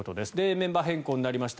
メンバー変更になりました